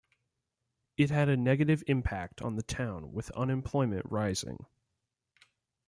It had a negative impact on the town with unemployment rising.